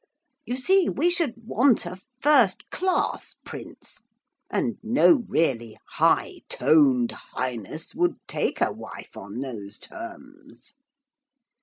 You see, we should want a first class prince, and no really high toned Highness would take a wife on those terms.'